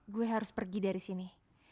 gue harus pergi dari sini